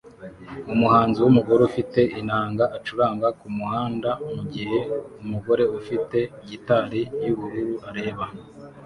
Umuhanzi wumugore ufite inanga acuranga kumuhanda mugihe umugore ufite gitari yubururu areba